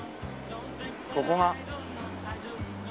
ここが。